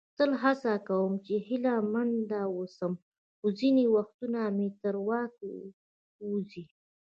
تل هڅه کوم چې هیله مند واوسم، خو ځینې وختونه مې تر واک ووزي.